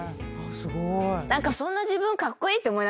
すごーい。